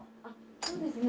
そうですね